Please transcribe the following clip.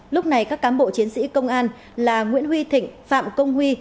lúc này các cán bộ chiến sĩ công an là nguyễn huy thịnh phạm công huy